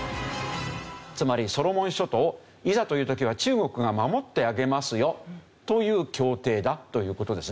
つまりソロモン諸島をいざという時は中国が守ってあげますよという協定だという事ですね。